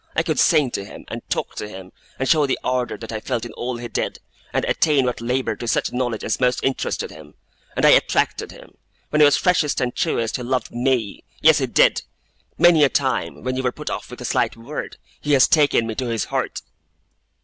I could sing to him, and talk to him, and show the ardour that I felt in all he did, and attain with labour to such knowledge as most interested him; and I attracted him. When he was freshest and truest, he loved me. Yes, he did! Many a time, when you were put off with a slight word, he has taken Me to his heart!